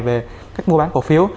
về các mua bán cụ phiếu